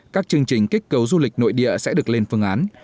các chương trình kích cầu du lịch nội địa sẽ được lên phương án